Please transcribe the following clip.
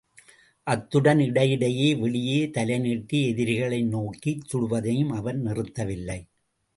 அத்துடன் இடையிடையே வெளியே தலைநீட்டி எதிரிகளை நோக்கிச் சுடுவதையும் அவன் நிறுத்தவில்லை.